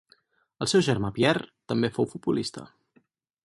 El seu germà Pierre també fou futbolista.